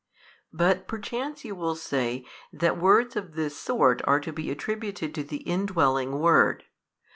But perchance you will say that words of this sort are to be attributed to the indwelling Word.